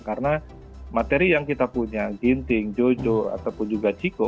karena materi yang kita punya ginting jojo ataupun juga cikgu